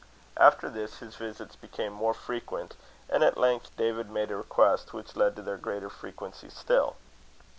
After this, his visits became more frequent; and at length David made a request which led to their greater frequency still.